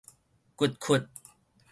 掘窟